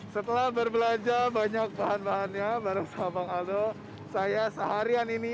setelah berbelanja banyak bahan bahannya bareng sama bang aldo saya seharian ini